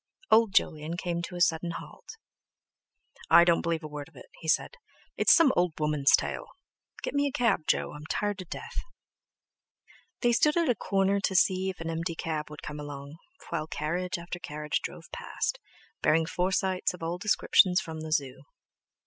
Old Jolyon came to a sudden halt. "I don't believe a word of it," he said, "it's some old woman's tale. Get me a cab, Jo, I'm tired to death!" They stood at a corner to see if an empty cab would come along, while carriage after carriage drove past, bearing Forsytes of all descriptions from the Zoo.